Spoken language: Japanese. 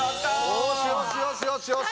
よしよしよしよしよし。